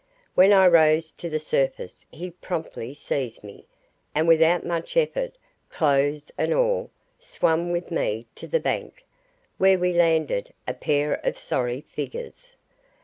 When I rose to the surface he promptly seized me, and without much effort, clothes and all, swam with me to the bank, where we landed a pair of sorry figures.